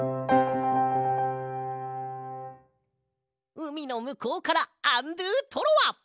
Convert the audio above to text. うみのむこうからアンドゥトロワ！